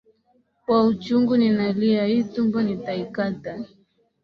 Kwa uchungu ninalia, hii tumbo nitaikata,